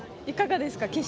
いかがですか？